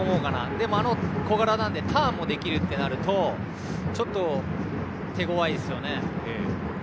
でも、小柄なのでターンもできるとなるとちょっと手ごわいですよね。